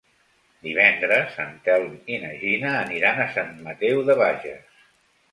Divendres en Telm i na Gina aniran a Sant Mateu de Bages.